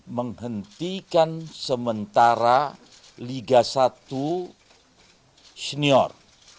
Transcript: menghentikan sementara liga satu senior